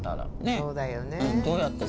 そうだよね。